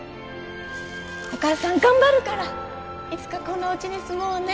お母さん頑張るからいつかこんなおうちに住もうね